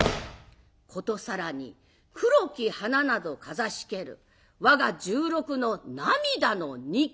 「殊更に黒き花などかざしけるわが十六の涙の日記」。